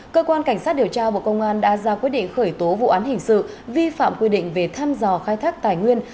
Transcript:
cơ quan cảnh sát điều tra bộ công an đã ra quyết định khởi tố vụ án hình sự vi phạm quy định về thăm dò khai thác tài nguyên